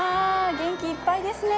元気いっぱいですね。